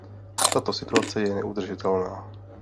Tato situace je neudržitelná.